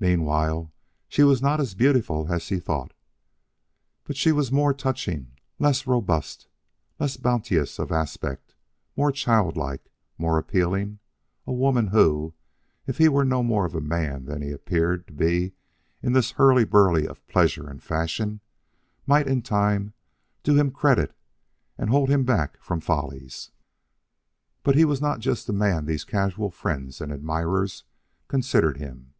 Meanwhile, she was not as beautiful as he thought. But she was more touching less robust, less bounteous of aspect, more child like, more appealing, a woman who, if he were no more of a man than he appeared to be in this hurly burly of pleasure and fashion, might in time do him credit and hold him back from follies. But he was not just the man these casual friends and admirers considered him.